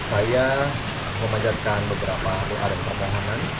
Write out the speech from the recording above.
saya memanjatkan beberapa doa dan pertahanan